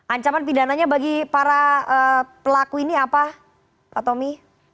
ancaman pidananya bagi para pelaku ini apa pak tommy